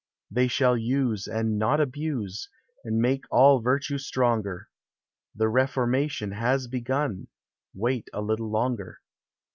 They shall use, and not abuse, And make all virtue stronger ; The reformation has begun ;— Wait a little longer.